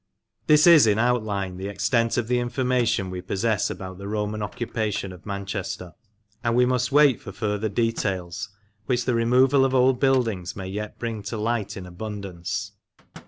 This is, in outline, the extent of the information we possess about the Roman occupation of Manchester, and we must wait for further details, which the removal of old buildings may yet bring to light in abundance.